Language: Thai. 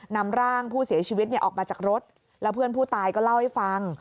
นำร่างผู้เสียชีวิตออกมาจากรถแล้วเพื่อนผู้ตายก็เล่าให้ฟัง